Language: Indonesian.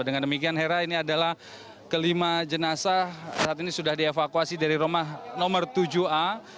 dengan demikian hera ini adalah kelima jenazah saat ini sudah dievakuasi dari rumah nomor tujuh a